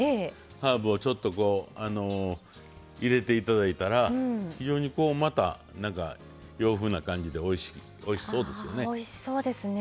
ハーブをちょっと入れていただいたら非常に、洋風な感じでおいしそうですよね。